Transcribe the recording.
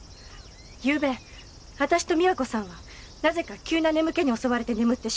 ゆうべ私と美和子さんはなぜか急な眠気に襲われて眠ってしまった。